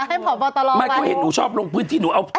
ให้พบอตรอบอกว่าหนูไม่ก็เห็นหนูชอบร่วงพื้นที่หนูเอา